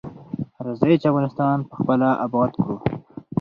راځی چی افغانستان پخپله اباد کړو.